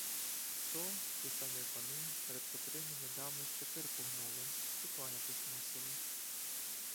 То, ті самі пани, перед котрими недавно ще кирпу гнули і кланятись мусили.